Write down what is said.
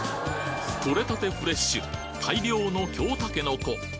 とれたてフレッシュ大量の京たけのこ